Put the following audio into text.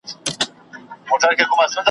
بس دښمن مي د خپل ځان یم `